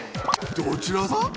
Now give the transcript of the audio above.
どちら様？